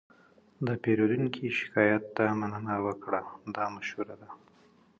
د پیرودونکي شکایت ته مننه وکړه، دا مشوره ده.